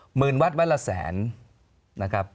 หมื่นวัดวันละแสนนะครับ